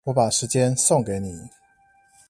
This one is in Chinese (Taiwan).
我把時間送給你